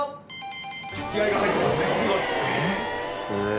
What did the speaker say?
気合が入ってますよ。